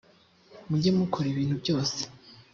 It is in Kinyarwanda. mujye mukora ibintu byose